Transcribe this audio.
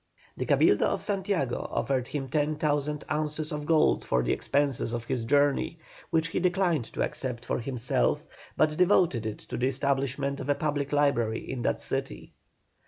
The Cabildo of Santiago offered him ten thousand ounces of gold for the expenses of his journey, which he declined to accept for himself, but devoted it to the establishment of a public library in that city.